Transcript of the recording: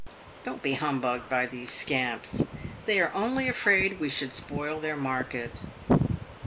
Don't be humbugged by these scamps. They are only afraid we should spoil their market.